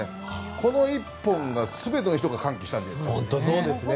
この一本、全ての人が歓喜したんじゃないですか。